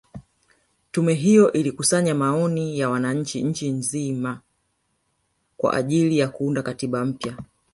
Tume hiyo ilikusanya maoni ya wananchi nchi nzima kwa ajili ya kuunda katiba mpya